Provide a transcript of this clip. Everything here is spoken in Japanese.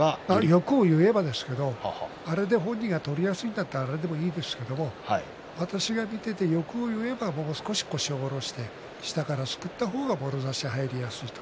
欲を言えばですけれどもあれで本人が取りやすいんなら何でもいいですけれども私が見ていて欲を言えばもう少し腰を下ろして下からすくった方がもろ差しが入りやすい。